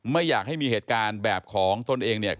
ไม่อยากให้มีเหตุการณ์แบบของตนเองเนี่ย